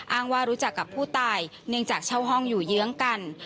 ว่ารู้จักกับผู้ตายเนื่องจากเช่าห้องอยู่เยื้องกัน